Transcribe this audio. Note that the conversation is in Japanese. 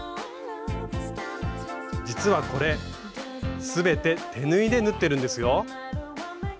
実はこれ全て手縫いで縫ってるんですよ。